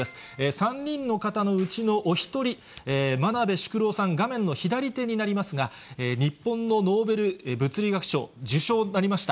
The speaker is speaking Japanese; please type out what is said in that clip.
３人の方のうちのお一人、真鍋淑郎さん、画面の左手になりますが、日本のノーベル物理学賞、受賞になりました。